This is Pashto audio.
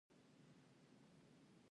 هر څوک غواړي له دې حالت نه وتښتي.